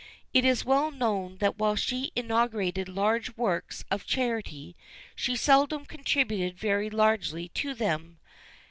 It is well known that while she inaugurated large works of charity, she seldom contributed very largely to them.